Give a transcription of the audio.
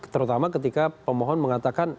terutama ketika pemohon mengatakan